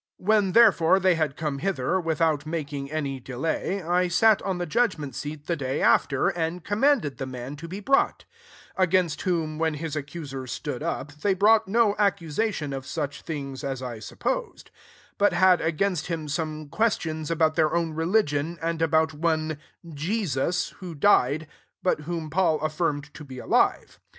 17 When there fore they had come hitber, without making Miy^ delay, I eat on the judgment seat die di^ after, and commanded the zamk to be brought : 18 against whooi when hia accusers stood np, they brought 'no accusatioD of such things as I supposed : 19 but had against him some que^ tions about their own retigioas and about one Jesus who died, but whom Paul affirmed to l« alive.